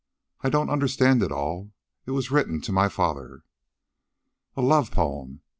I don't understand it all. It was written to my father " "A love poem!"